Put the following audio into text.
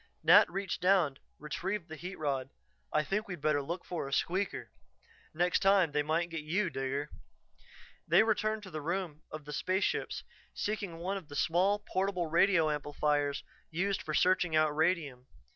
Nat reached down, retrieved the heat rod. "I think we'd better look for a 'squeaker'. Next time they might get you, Digger." They returned to the room of the spaceships, seeking one of the small, portable radio amplifiers used for searching out radium.